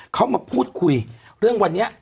เขามาพูดคุยเรื่องวันนี้